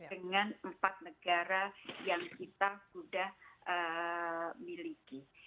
dengan empat negara yang kita sudah miliki